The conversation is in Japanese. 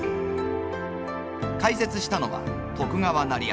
開設したのは徳川斉昭。